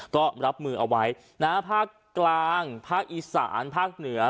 ก็รับมือเอาไว้นะฮะภาคกลางภาคอีสานภาคเหนือ